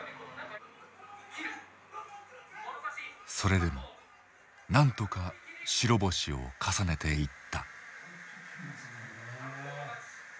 それでもなんとか白星を重ねていった。